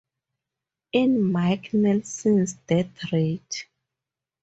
In Mike Nelson's Death Rat!